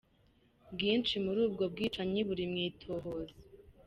Bwinshi muri ubwo bwicanyi buri mw'itohoza.